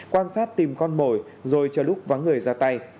quan sát tìm con mồi rồi chờ lúc vắng người ra tay